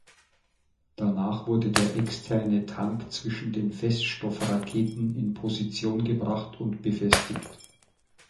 Danach wurde der Externe Tank zwischen den Feststoffraketen in Position gebracht und befestigt.